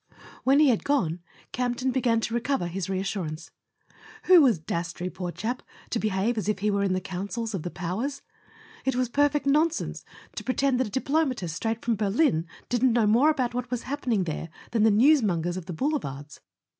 When he had gone Campton began to recover his reassurance. Who was Dastrey, poor chap, to behave as if he were in the councils of the powers ? It was per¬ fect nonsense to pretend that a diplomatist straight from Berlin didn't know more about what was hap¬ pening there than the newsmongers of the Boulevards.